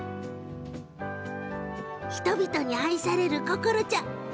人々に愛されるココロちゃん。